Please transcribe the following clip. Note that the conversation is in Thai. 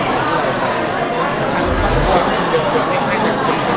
จี๋ยวดูใครให้ดู